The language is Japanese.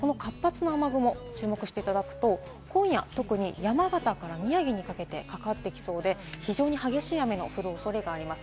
この後、活発な雨雲、注目していただくと、今夜、特に山形から宮城にかけてかかってきそうで非常に激しい雨の降るおそれがあります。